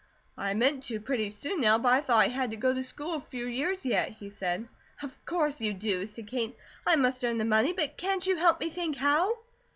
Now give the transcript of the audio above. "I meant to pretty soon now, but I thought I had to go to school a few years yet," he said. "Of course you do," said Kate. "I must earn the money, but can't you help me think how?"